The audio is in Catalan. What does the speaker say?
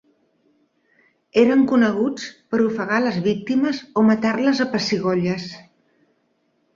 Eren coneguts per ofegar les víctimes o matar-les a pessigolles.